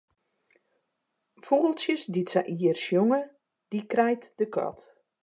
Fûgeltsjes dy't sa ier sjonge, dy krijt de kat.